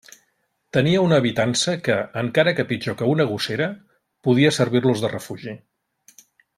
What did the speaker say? Tenia una habitança que, encara que pitjor que una gossera, podia servir-los de refugi.